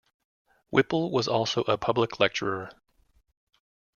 Whipple was also a public lecturer.